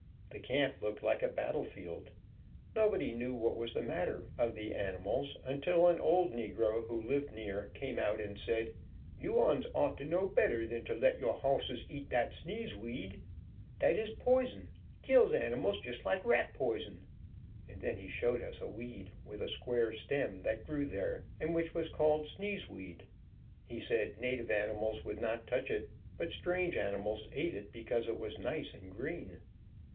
The camp looked like a battle field. Nobody knew what was the matter of the animals, until an old negro, who lived near, came out and said, "You uns ought to know better than to let you horses eat dat sneeze weed. Dat is poison. Kills animals, just like rat poison." And then he showed us a weed, with a square stem, that grew there, and which was called sneeze weed. He said native animals would not touch it, but strange animals eat it because it was nice and green.